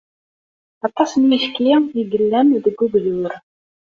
Aṭas n uyefki ay yellan deg ugdur.